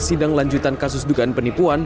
sidang lanjutan kasus dugaan penipuan